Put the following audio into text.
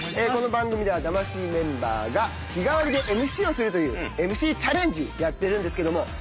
この番組では魂メンバーが日替わりでＭＣをするというＭＣチャレンジやってるんですけども